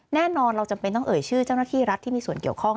แน่นอนเราจำเป็นต้องเอ่ยชื่อเจ้าหน้าที่รัฐที่มีส่วนเกี่ยวข้อง